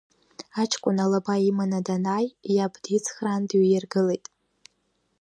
Аҷкәын алаба иман данааи, иаб дицхраан дҩаиргылеит.